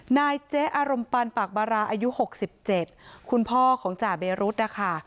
นายเจ๊อารมณ์ปันปากบาราอายุ๖๗คุณพ่อของจ่าเบรุษนะคะ